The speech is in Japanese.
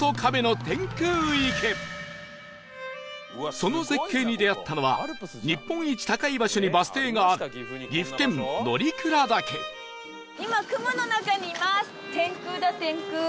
その絶景に出会ったのは日本一高い場所にバス停がある天空だ天空。